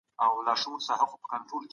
ذهني فشار ښه ادراکي فعالیت زیاتوي.